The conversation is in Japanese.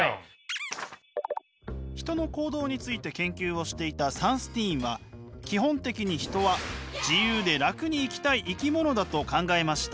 人の行動について研究をしていたサンスティーンは基本的に人は自由で楽に生きたい生き物だと考えました。